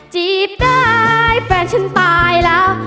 จีบได้แฟนฉันตายแล้ว